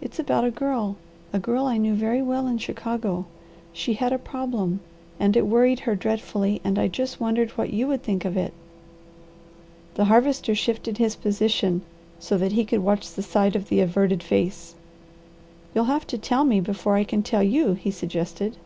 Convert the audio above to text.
It's about a girl a girl I knew very well in Chicago. She had a problem and it worried her dreadfully, and I just wondered what you would think of it." The Harvester shifted his position so that he could watch the side of the averted face. "You'll have to tell me, before I can tell you," he suggested.